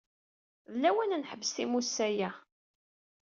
D lawan ad neḥbes timussa-a.